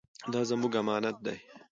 دا زموږ امانت دی.